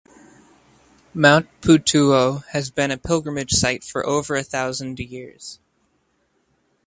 Mount Putuo has been a pilgrimage site for over a thousand years.